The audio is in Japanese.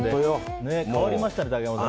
変わりましたね、竹山さん。